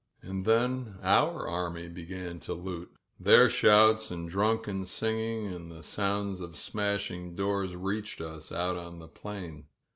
And then our army began to loot. Their shouts and drunken singing and the sounds of smashing doors reached us out on the plain.